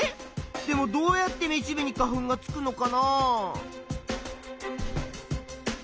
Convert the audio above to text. でもどうやってめしべに花粉がつくのかな？